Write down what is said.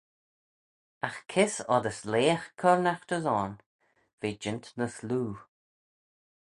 Agh kys oddys leagh curnaght as oarn ve jeant ny sloo?